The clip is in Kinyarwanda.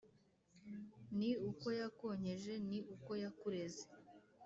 ni uko yakonkeje ni uko yakureze